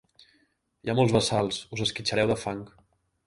Hi ha molts bassals: us esquitxareu de fang.